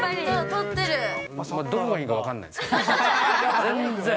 どこがいいか分かんないですけど。